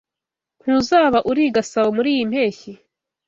Ntuzaba uri i Gasabo muriyi mpeshyi?